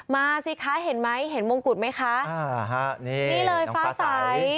สิคะเห็นไหมเห็นมงกุฎไหมคะอ่าฮะนี่นี่เลยฟ้าใส